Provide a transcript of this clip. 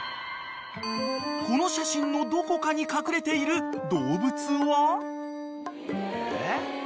［この写真のどこかに隠れている動物は？］